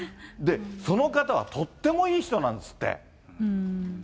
その方はとってもいい人なんですって。